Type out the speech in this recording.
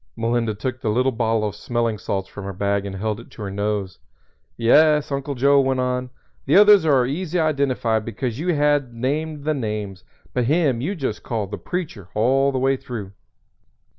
Melinda took the little bottle of smelling salts from her bag and held it to her nose. "Yes," Uncle Joe went on, "the others was easy identified because you had named the names; but him you just called 'The Preacher' all the way through.